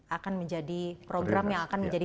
akan menjadi program yang akan menjadi